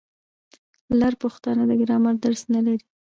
لر پښتون د ګرامر درس نه لري.